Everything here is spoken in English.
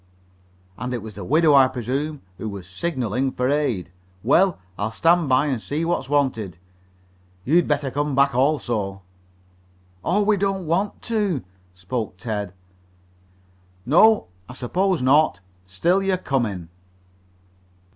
"And it was the widow, I presume, who was signaling for aid. Well, I'll stand by and see what's wanted. You'd better come back also." "Aw, we don't want to," spoke Ted. "No, I suppose not. Still you're coming."